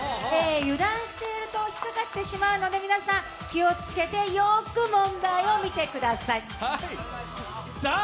油断していると、引っ掛かってしまうので皆さん気をつけて、よーく問題を見てください。